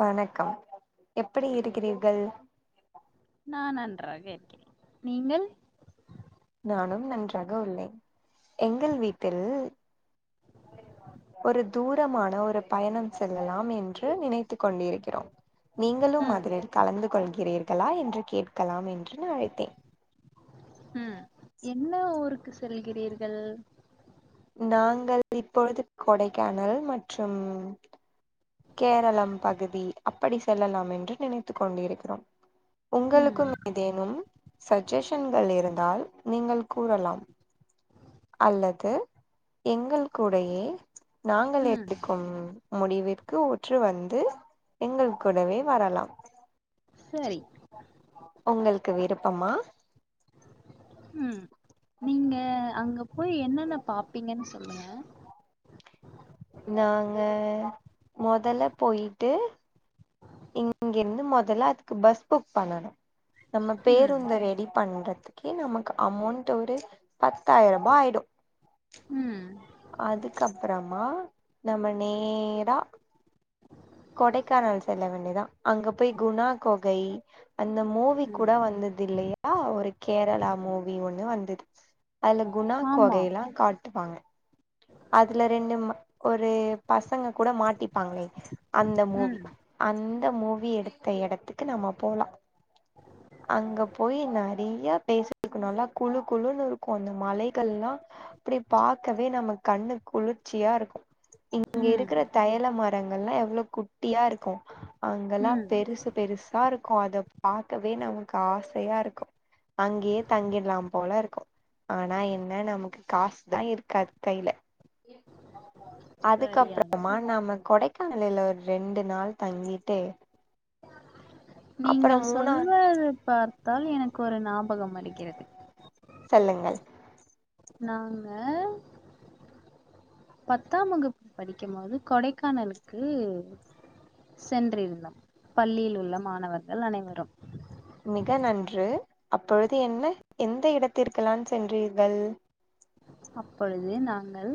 வணக்கம் எப்படி இருக்கிறீர்கள் நா நன்றாக இருக்கிறேன் நீங்கள் நானும் நன்றாக உள்ளே எங்கள் வீட்டில் ஒரு தூரமான ஒரு பயணம் செல்லலாம் என்று நினைத்து கொண்டிருக்கிறோம் நீங்களும் ம் அதரில் கலந்து கொள்கிறீர்களா என்று கேட்கலாம் என்று அழைத்தேன் ம் என்ன ஊருக்கு செல்கிறீர்கள் நாங்கள் இப்பொழுது கொடைக்கானல் மற்றும் கேரளம் பகுதி அப்படி செல்லலாம் என்று நினைத்து கொண்டிருக்கிறோம் ம் உங்களுக்கும் ஏதேனும் சஜெஷன்கள் இருந்தால் நீங்கள் கூறலாம் அல்லது எங்கள் கூடயே நாங்கள் ம் எடுக்கும் முடிவிற்கு ஒற்று வந்து எங்கள் கூடவே வரலாம் செரி ஒங்கள்க்கு விருப்பமா ம் நீங்க அங்க போய் என்னென்ன பாப்பீங்கன் சொல்லுங்க நாங்க மொதல போயிட்டு இங்கிருந்து மொதல்ல அதுக்கு பஸ் புக் பண்ணணு நம்ம ம் பேருந்த ரெடி பண்றதுக்கே நமக்கு அமௌண்ட் ஒரு பத்தாயிர ரூபா ஆயிடு ம் அதுக்கப்றமா நம்ம நேரா கொடைக்கானல் செல்ல வேண்டியதா அங்க போய் குணா கொகை அந்த மூவி கூட ம் வந்தது இல்லயா ஒரு கேரளா மூவி ஒண்ணு வந்தது அதுல குணா ஆமா கொகையிலா காட்டுவாங்க அதுல ரெண்டு ம்ம ஒரு பசங்க கூட மாட்டிப்பாங்ளே அந்த மூவி ம் அந்த மூவி எடுத்த இடத்துக்கு நம்ம போலா அங்க போய் நறியா பிளேஸ் இருக்கு நல்லா குழு குழுன்னு இருக்கு அந்த மலைகள்ல்லா அப்டி பாக்கவே நம்மக் கண்ணு குளிர்ச்சியாருக்கு இங்க ம் இருக்குற தயல மரங்கள்லா எவ்ளோ குட்டியா இருக்கு அங்கெல்லா ம் பெருசு பெருசாருக்கு அத பாக்கவே நமக்கு ஆசையா இருக்கு அங்கியே தங்கிட்லா போல இருக்கு ஆனா என்ன நமக்கு காஸ் தா இருக்காது கையில சரியான அதுகப்புறமா நாம கொடைக்கானலில ஒரு ரெண்டு நாள் தங்கிட்டு அப்புறோ நீங்கள் மூணார் சொல்வது பார்த்தால் எனக்கு ஒரு ஞாபகம் வருக்கிறது சொல்லுங்கள் நாங்க பத்தாம் வகுப்பு படிக்கும்போது கொடைக்கானலுக்கு சென்றிருந்தோம் பள்ளியில் உள்ள மாணவர்கள் அனைவரும் மிக நன்று அப்பொழுது என்ன எந்த இடத்திற்கலாம் சென்றீர்கள் அப்பொழுது நாங்கள்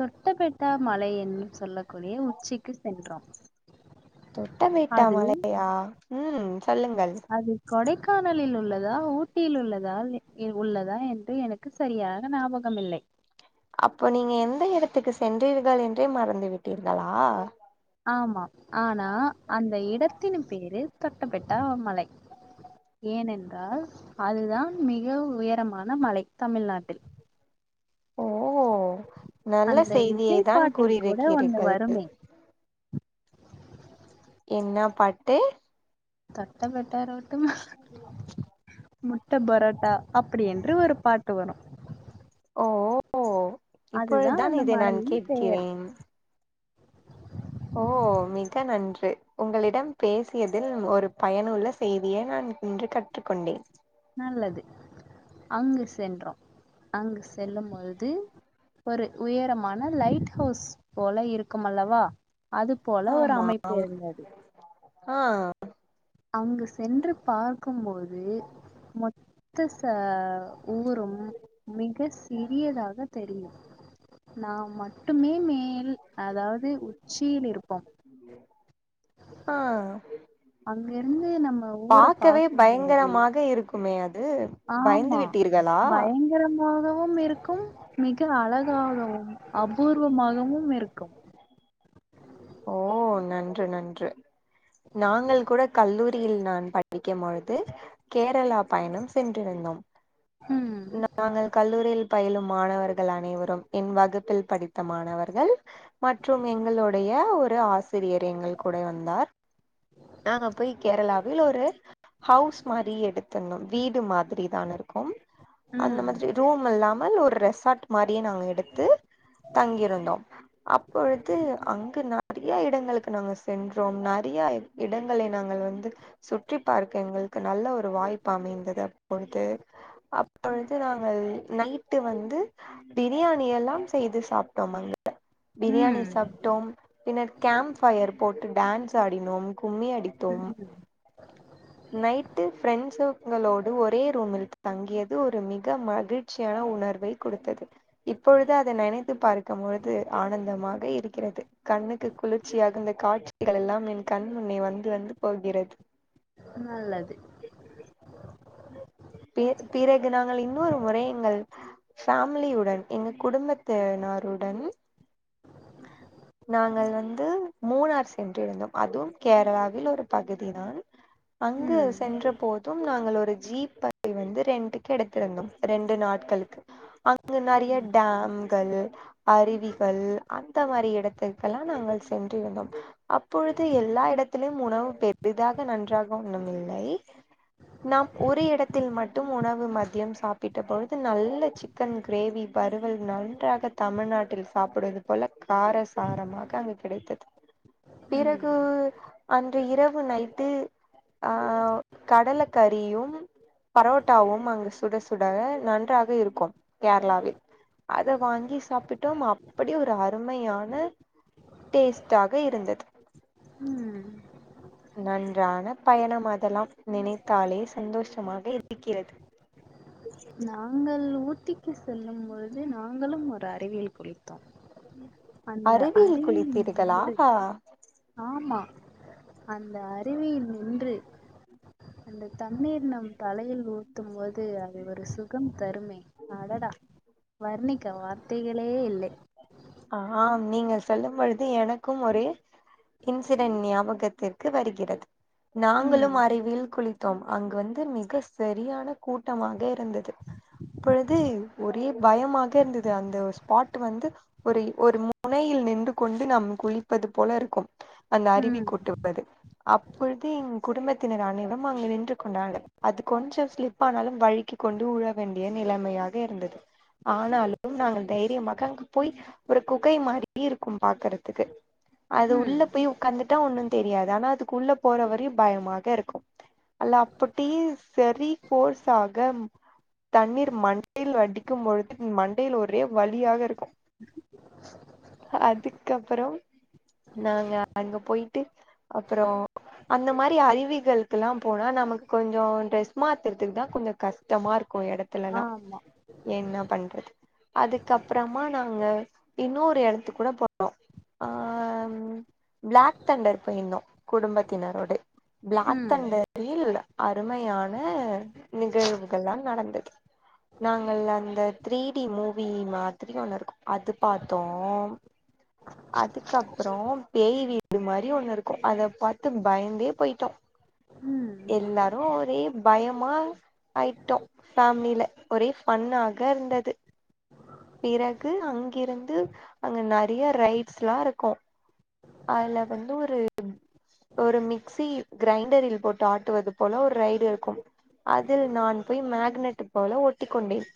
தொட்ட பெட்டா மலை என்னும் சொல்லக் குடிய உச்சிக்கு சென்றோம் தொட்ட பேட்டா அது மலையா ம் சொல்லுங்கள் அது கொடைக்கானலில் உள்ளதா ஊட்டியில் உள்ளதால் எ உள்ளதா என்று எனக் கு சரியாக ஞாபகம் இல்லை அப்போ நீங்க எந்த இடத்துக்கு சென்றீர்கள் என்றே மறந்து விட்டீர்களா ஆமாம் ஆனா அந்த இடத்தின் பெயரு தொட்டபேட்டா மலை ஏனென்றால் அதுதான் மிக உயரமான மழை தமிழ்நாட்டில் ஓ நல்ல அந்த செய்தியை விஜய் தான் பாட்டில் கூட ஒண்ணு கூறியிருக்கிறீர்கள் வருமே என்னா பாட்டு தொட்டபேட்டா ரோட்டு மேல முட்ட பரோட்டா அப்படி என்று ஒரு பாட்டு வரு ஓ ஓ அதுதான் இப்பொழுதுதான் அந்த இதை நான் மலையின் பெயர் கேட்கிறேன் ஓ மிக நன்று உங்களிடம் பேசியதில் ஒரு பயனுள்ள செய்திய நான் இன்று கற் றுக்கொண்டேன் நல்லது அங்கு சென்றோ அங்கு செல்லும் பொழுது ஒரு உயரமான லைட் ஹவுஸ் போல இருக்குமல்லவா அதுப் போல ஒரு ஆமா அமைப்பு இருந்தது ஆ அங்கு சென்று பார்க்கும்போது மொத்த ச ஊரும் மிக சிறியதாக தெரியும் நாம் மட் மட்டு மே மேயில் அதாவது உச்சியில இருப்போ [inaudible] அ அங்க இருந்து நம்ம ஊர பாக்கவே பாக்கும்போ பயங்கரமாக இருக் உண்மையா அது பயந்து ஆம்மா விட்டீர்களா பயங்கரம் [unintelligible] இருக்கும் மிக அழகாகவு அபூர்வமாகவும் இருக்கும் ஓ நன்று நன்று நாங்கள் கூட கல்லூரியில் நான் பட் டிக்கும் பொழுது கேரளா பயணம் சென்றிருந்தோம் ம் நாங்கள் கல்லூரியில் பயிலும் மாணவர்கள் அனைவரும் என் வகுப் ப்பில் படித்த மாணவர்கள் மற்றும் எங்களுடைய ஒரு ஆஸ் சிறியர் எங்கள் கூட வந்தார் நாங்க போய் கேரளாவில் ஒரு ஹவுஸ் மாரி எடுத்துருந்தோம் வீடு மாதிரி தான் இருக்கும் அந்த ம் மாதிரி ரூம் இல்லாமல் ஒரு ரெசார்ட் மாரியே நாங்க எடுத்து தங்கியிருந்தோம் அப்பொழுது அங்கு நெறைய இடங்களுக்கு நாங்க செ சென்றோம் நெறைய இடங்களை நாங்கள் வந்து சுற்றி பார்க்க எங்களுக்கு நல்ல ஒரு வாய்ப்பு அமைந்தது அப்பொழுது அப்பொழுது நாங்கள் நைட்டு வந்து பிரியாணி எல்லாம் செய்து சாப்ட்டோம் அங்க பிரியாணி ம் சாப்ட்டோம் பின்னர் கேம்ப் ஃபயர் போட்டு டான்ஸ் ஆடினோம் கும்மி அடித்தோம் ம் நைட்டு ஃப்ரென்ட்சுங்களோடு ஒரே ரூமில் தங்கியது ஒரு மிக மகிழ் மகிழ்ச்சியான உணர்வை கொடுத்தது இப்பொழுது அத் நினைத்து பார்க்கும் பொழுது ஆனந்தமாக இருக்கிறது கண்ணுக்கு குளிர்ச்சியாக இந்த காட்சிகள் எல்லாம் என் கண் முன்னே வந்து வந்து போகிறது நல்லது பேச்சு பிறகு நாங்கள் இன்னொரு முறை எங்கள் ஃபேமிலியுடன் எங்க குடும்பத்தினருடன் அ நாங்கள் வந்து மூணார் சென்றிருந்தோம் அதுவும் கேரளாவில் ஒரு பகுதி தான் அங்கு ம் சென்ற போதும் நாங்கள் ஒரு ஜீப்ப ப்படி வந்து ரெண்டுக்கு எடுத்துருந்தோம் ரெண்டு நாட்களுக்கு அங்கு நெறைய டேம்கள் அருவிகள் அந்த மாரி எடத்திர்க்கெல்லாம் நாங்கள் சென்றிருந்தோம் அப்பொழுது எல்லா இடத்துலயும் உணவு பெரிதாக நன்றாக ஒன்னும் இல்லை நாம் ஒரு இடத்தில் மட்டும் உணவு மதியம் சாப்பிட்ட பொழுது நல்ல சி சிக்கன் கிரேவி வருவல் நன்றாக தமிழ்நாட்டில் சாப்பிடுவது போல காரசாரமாக அங்கு கிடைத்தது பிறகு ம் அன்று இரவு நைட்டு ஆ கடலக்கறியும் பரோட்டாவும் அங்கு சுட சுட நன்றாக இருக்கும் கேரளாவில் அத வாங்கி சாப்பிட்டோம் அப்டி ஒரு து அருமையான டேஸ்ட்டாக இருந்தது உம் நன்றான பயணம் அதல்லாம் நினைத்தாலே சந்தோஷமாக இருக்கிறது நாங்கள் ஊட்டிக்கு செல்லும் பொழுது நாங்களும் ஒரு அருவியில் குளித்தோம் அந்த அருவியில் அறிவியில் குளித்தீர்களா நின்று ஆமா அந்த அருவியில் நின்று அந்த தண்ணீர் நம் தலையில் ஊத்தும் போது ஒரு சுகம் தருமே அடடா வர்ணிக்க வார்த்தைகளே இல்லே ஆ நீங்க சொல்லும் பொழுது எனக்கும் ஒரு இன்சிடன் ஞாபகத்திற்கு வருகிறது ம் நாங்களும் அறுவியில் குளித்தோம் அங்கு வந்து மிக சரியான கூட்டமாக இருந்தது அப்பொழுது ஒரே பயமாக இருந்தது அந்த ஸ்பாட் வந்து ஒரி ஒரு முனையில் நின்று கொண்டு நாம் குளிப்பது போல ருக்கும் அந்த அருவி ம் கொட்டுவது அப்பொழுது என் குடும்பத்தினர் அனைவரும் அங்கு நின்று கொண்டார்கள் அது கொஞ்சம் சிலிப் ஆனாலும் வலிக்கி கொண்டு உழ வேண்டிய நிலைமையாக இருந்தது ஆனாலும் நாங்கள் தைரியமாக அங்கு போய் ஒரு குகை மாதிரி இருக்கும் பாக்குறதுக்கு அது ம் உள்ள போய் உட்காந்துட்டா ஒன்னு தெரியாது ஆனா அதுக்கு உள்ள போற வரையு பயமாக இருக்கும் அல்லா அபிட்டி சரி ஃபோர்சாக தண்ணீர் மண்டையில் அடிக்கும் பொழுது மண்டையில் ஒரே வலியாக ருக்கு அதுக்கப்பரோ நாங்க அங்க போயிட்டு அப்பரோ அந்த மாரி அறிவிகளுக்குல்லா போனா நமக் கொஞ்சோ ட்ரெஸ் மாத்துறதுக்கு தா கொஞ்ச கஷ் டமா ருக்கு எடத்துலல்லா ஆமா என்ன பண்றது அதுக்கப்றமா நாங்க இன்னொரு எடத்து கூட போனோ ஆ ம் பிளாக் தண்டர் போயிருந்தோ குடும்பத்தினரோடு ப்ளாக் ம் தண்டரில் அருமையான நிகழ்வுகல்லா நடந்தது நாங்கள் அந்த த் ரீ டி மூவி மாதிரி ஒண்ணு இருக்கும் அது பாத்தோ அதுக்கப்றோ பேய் வீடு மாரி ஒண்ணு இருக்கு அத பாத்து பயந்தே போய்ட்டோ ம் யெல்லாரு ஒரே பயமா ஆயிட்டோ ஃபேமிலில ஒரே ஃபன்னாக இருந்தது பிறகு அங்கிருந்து அங்க நறைய ரைட்ஸ்லா இருக்கும் அதுல வந்து ஒரு ஒரு மிக்சி கிரைண்டரில் போட்டு ஆட்டுவது போல ஒரு ரைடு இருக்கும் அதில் நான் போய் மேக்னட் போல ஒட்டிக் கொண்டேன்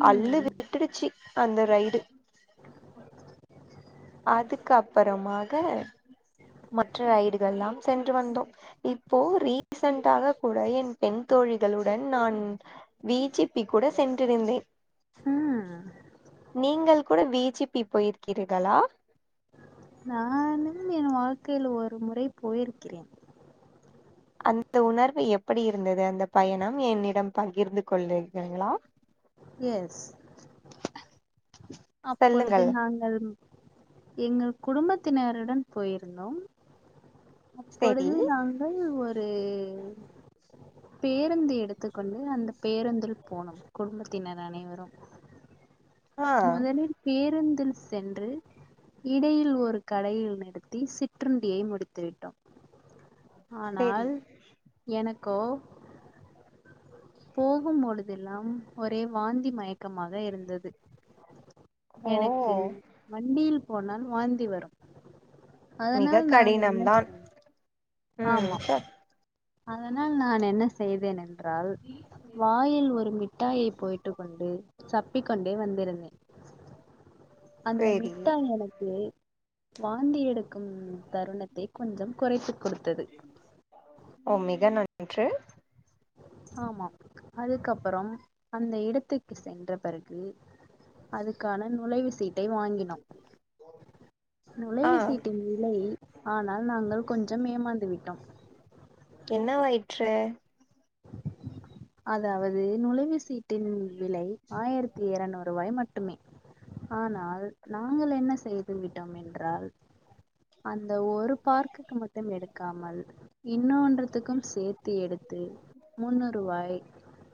ம் திருச்சி அந்த ரைடு அதுக்கு அப்பறமாக மற்ற ரைடுகல்லாம் சென்று வந்தோ இப்போ ரீசன்டாக கூட என் பெண் தோழிகளுடன் நான் வி ஜி பி கூட சென்றிருந்தேன் ம் நீங்கள் கூட வி ஜி பி போயிரிக்கீர்களா நானும் என் வாழ்க்கையில் ஒரு முறை போயிருக்கிறே அந்த உணர்வு எப்படி இருந்தது அந்த பயணம் என்னிடம் பகிர்ந்து கொள்ளிருக்கீங்களா எஸ் அப்பொழுது சொல்லுங்கள் நாங்கள் எங்கள் குடும்பத்தினருடன் போயிருந்தோ செரி அப்பொழுது நாங்கள் ஒரு பேருந்து எடுத்துக்கொண்டு அந்த பேருந்தில் போனோ குடும்பத்தினர் அனைவரும் ஆ மொதலில் பேருந்தில் சென்று இடையில் ஒரு கடையில் நிறுத்தி சிற்றுண்டியை முடித்துவிட்டோம் [inaudible] ஆனால் எனக்கோ போகும் மொழுதெல்லாம் ஒரே வாந்தி மயக்கமாக இருந்தது ஓ எனக்கு வண்டியில் போனால் வாந்தி வரும் அதனால மிக நான் என்ன கடினம்தான் செய் ம் அதனால் நான் என்ன செய்வேன் என் ன்றால் வாயில் ஒரு மிட்டாயை போட்டு கொண்டு சப்பிக் கொண்டே வந்திருந்தேன் அந்த சேரி மிட்டாய் எனக்கு வாந்தி எடுக்கும் தருணத்தை கொஞ்சம் குறைத்து கொடுத்தது ஓ மிக நன்று ஆமாாம் அதுக்கப்பறம் அந்த இடத்துக்கு சென்ற பெறகு அதுக்கான நுழைவு சீட்டை வாங்கி னோ ஆ நுழைவு சீட்டின் விலை ஆனால் நாங்கள் கொஞ்சம் ஏமாந்து விட்டோம் என்னவாயி்ற்று அதாவது நுழைவு சீட்டின் விலை ஆயிரத்தி இருநூறு ரூபாய் மட்டு ட்டுமே ஆனால் நாங்கள் என்ன செய்து விட்டோம் என்றால் அந்த ஒரு பார்க்குக்கு மட்டும் எடுக்காமல் இன்னொன்றதுக்கும் சேர்த்து எடுத்து முன்னூறுவாய்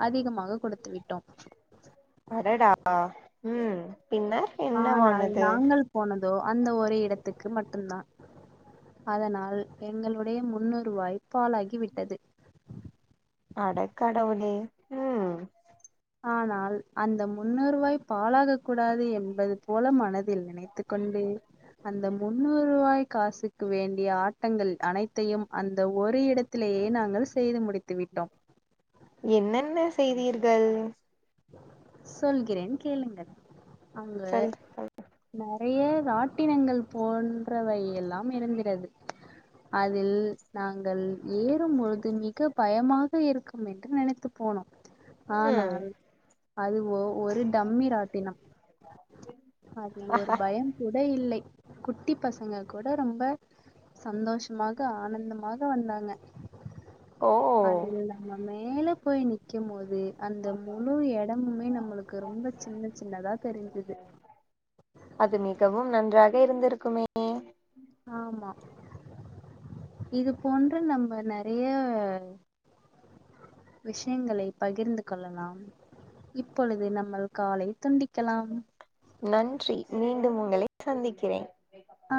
அதிகமாக கொடுத்து விட்டோம் அடடா ம் பின்னர் என்ன ஆனால் வானது நாங்கள் போனதோ அந்த ஒரு இடத்துக்கு மட்டுந்தா அதனால் எங்களுடைய முன்னுருவாய்ப் பாலாகி விட்டது அடக் கடவுளே ம் ஆனால் அந்த முன்னூருவாய் பாலாகக் கூடாது என்பது போல மனத் தில் நினைத்துக்கொண்டு அந்த முன்னூறுவாய் காசுக்கு வேண்டிய ஆட்டங்கள் அனைத்தையும் அந்த ஒரு இடத் த்திலயே நாங்கள் செய்து முடித்து விட்டோம் என்னென்ன செய்தீர்கள் சொல்கிறேன் கேளுங்கள் அங்கு சொல் நறைய ராட்டினங்கள் போன்றவை எல்லாம் இருந்துறது அதில் நாங்கள் ஏறும் பொழுது மிக பயமாக இருக்கும் என்று நினைத்து போனோம் ம் ஆனால் அது ஓ ஒரு டம்மி ராட்டினம் அதில் ஒரு ப ஏங்கூட இல்லை குட்டி பசங்க கூட ரொம்ப சந்தோஷ்மாக ஆனந்தமாக வந்தாங்க ஓ அதுல நம்ம மேல போய் நிக்கும் போது அந்த அவ்ளோ எடமுமே நம்மளுக்கு ரொம்ப சின்ன சின்னதா தெரிஞ்சது அது மிகவும் நன்றாக இருந்திருக்குமே மே ஆமா இது போன்ற நம்ம நெறைய விஷயங்களை பகிர்ந்து கொள்ளலாம் இப்பொழுது நம்மள் காலை துண்டிக்கலாம் நன்றி மீண்டும் உங்களை சந்திக்கிறேன் அ